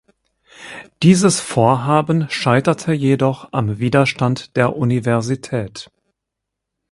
Dieses Vorhaben scheiterte jedoch am Widerstand der Universität.